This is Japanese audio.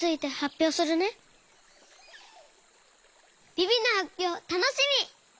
ビビのはっぴょうたのしみ！